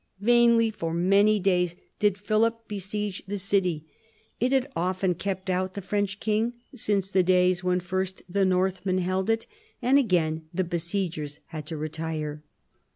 Vainly for many days did Philip besiege the city. It had often kept out the French king, since the days when first the Northmen held it, and again the besiegers had to retire.